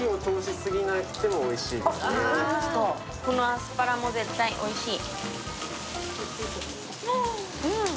このアスパラも絶対おいしい。